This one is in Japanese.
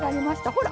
ほら。